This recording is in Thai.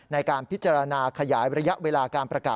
ในการพิจารณาขยายระยะเวลาการประกาศ